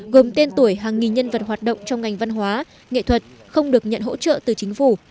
gồm tên tuổi hàng nghìn nhân vật hoạt động trong ngành văn hóa nghệ thuật không được nhận hỗ trợ từ chính phủ